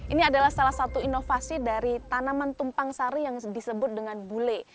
ini adalah salah satu inovasi dari tanaman tumpang sari yang disebut dengan bule